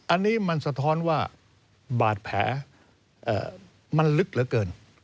อันนี้มันสะท้อนว่าบาดแผลมันลึกเหลือเกิน